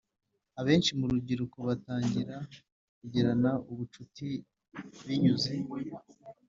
Abenshi Mu Rubyiruko Batangira Kugirana Ubucuti Binyuze